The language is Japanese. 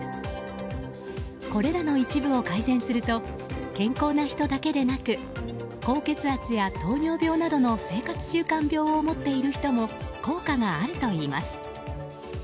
これらの一部を改善すると健康な人だけでなく高血圧や糖尿病などの生活習慣病を持っている人も効果があるといいます。